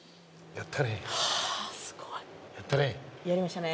やったね。